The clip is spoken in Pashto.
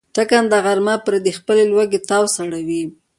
ټکنده غرمه پرې د خپلې لوږې تاو سړوي.